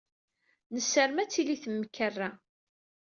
Nessaram ad d-tili temkerra.